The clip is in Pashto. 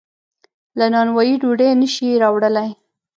له نانوایۍ ډوډۍ نشي راوړلی.